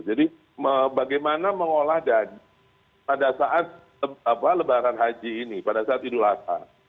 jadi bagaimana mengolah dan pada saat lebaran haji ini pada saat idul adha